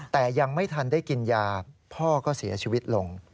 แต่ยังไม่ทันได้กินยาพ่อก็เสียชีวิตลง